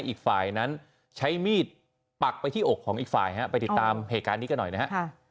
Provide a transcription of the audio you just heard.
อีกฝ่ายนั้นใช้มีดปักไปที่อกของอีกฝ่ายฮะไปติดตามเหตุการณ์นี้กันหน่อยนะฮะ